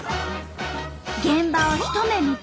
現場をひと目見たい！